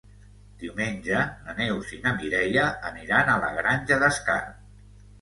Diumenge na Neus i na Mireia aniran a la Granja d'Escarp.